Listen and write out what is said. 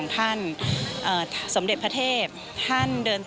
ที่มีโอกาสได้ไปชม